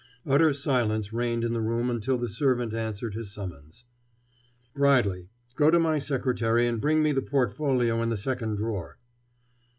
Utter silence reigned in the room until the servant answered his summons. "Bridley, go to my secretary and bring me the portfolio in the second drawer."